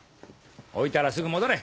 置いたらすぐ戻れ。